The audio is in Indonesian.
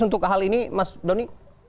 untuk hal ini mas doni